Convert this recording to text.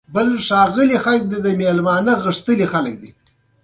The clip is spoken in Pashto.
له واده کولو وړاندې دواړه سترګې خلاصې لره.